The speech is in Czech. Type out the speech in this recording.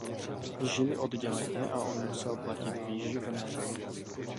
Žili odděleně a on musel platit výživné.